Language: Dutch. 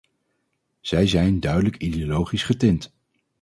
Zij zijn duidelijk ideologisch getint.